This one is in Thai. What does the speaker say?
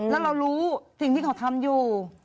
แล้วเรารู้สิ่งที่เขาทำอยู่